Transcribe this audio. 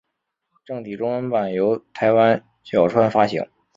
正体中文版由台湾角川发行。